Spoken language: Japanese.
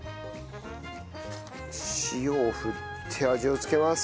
塩を振って味を付けます。